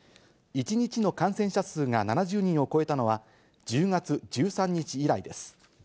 １日の感染者数が７０人を超えたのは、１０月１３日以来です。